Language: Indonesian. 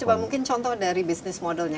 coba mungkin contoh dari bisnis modelnya